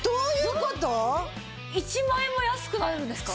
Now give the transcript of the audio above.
１万円も安くなるんですか？